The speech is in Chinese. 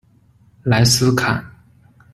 莱斯坎。